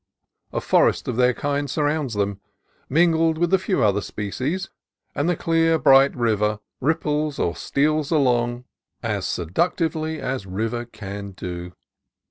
A forest of their kind surrounds them, mingled with a few other species, and the clear, bright river ripples or steals along as seductively 232 CALIFORNIA COAST TRAILS as river can do.